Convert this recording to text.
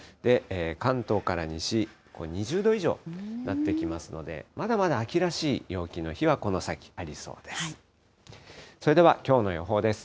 関東から西、２０度以上になってきますので、まだまだ秋らしい陽気の日はこの先ありそうです。